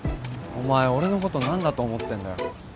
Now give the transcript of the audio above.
お前俺のこと何だと思ってんだよ。